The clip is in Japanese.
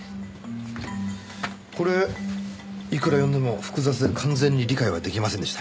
これいくら読んでも複雑で完全に理解は出来ませんでした。